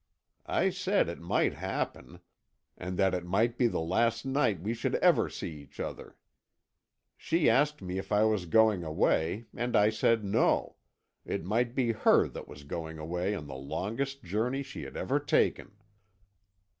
I said it might happen, and that it might be the last night we should ever see each other. She asked me if I was going away, and I said no, it might be her that was going away on the longest journey she had ever taken.